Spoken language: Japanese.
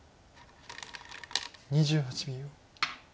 ２８秒。